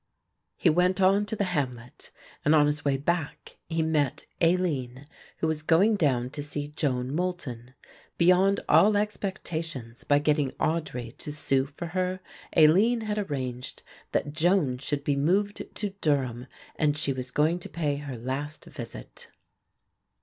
He went on to the hamlet and, on his way back, he met Aline, who was going down to see Joan Moulton. Beyond all expectations, by getting Audry to sue for her, Aline had arranged that Joan should be moved to Durham and she was going to pay her last visit.